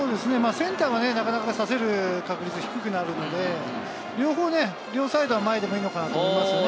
センターは、なかなか、させる確率が低くなるので、両サイドは前でもいいのかなと思いますね。